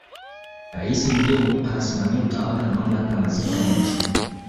rais ndiye anasimamia utawala na mamlaka mazima ya nchi